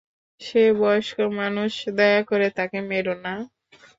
সে বয়স্ক মানুষ, দয়া করে তাকে মেরো না।